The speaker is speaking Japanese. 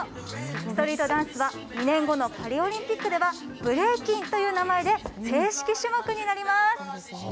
ストリートダンスは２年後のパリオリンピックではブレイキンという名前で正式種目になります。